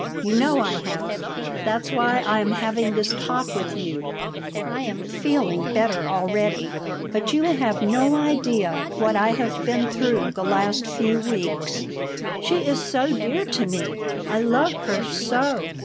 You know I have. That's why I am having this talk with you. I am feeling better already. But you have no idea what I have been through the last few weeks. She is so dear to me. I love her so."